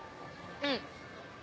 うん。